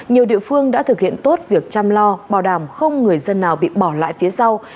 nhiều địa phương đã thực hiện tốt việc chăm lo bảo đảm không người dân nào bị bỏ lại phía sau